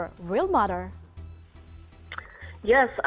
ya saya masih berharap